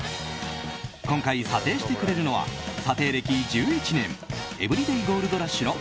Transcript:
今回、査定してくれるのは査定歴１１年エブリデイゴールドラッシュの